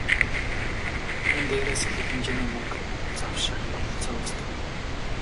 Энэ дээрээс л их хэмжээний мөнгө завших бололцоо үүсдэг юм байна.